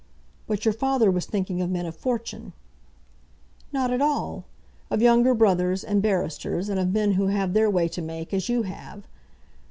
"But your father was thinking of men of fortune." "Not at all; of younger brothers, and barristers, and of men who have their way to make, as you have.